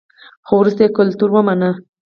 خو وروسته یې کلتور ومانه